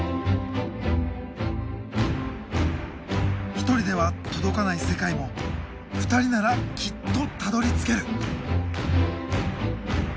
１人では届かない世界も２人ならきっとたどりつける。